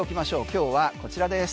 今日はこちらです。